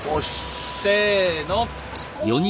せの！